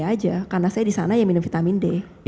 aja karena saya di sana ya minum vitamin d